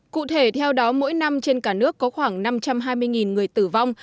cụ thể theo đó mỗi năm trên cả nước có khoảng năm trăm hai mươi người tử vong